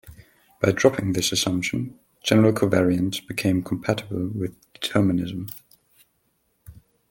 By dropping this assumption, general covariance became compatible with determinism.